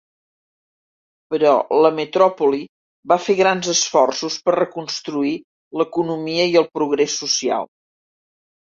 Però la metròpoli va fer grans esforços per reconstruir l'economia i el progrés social.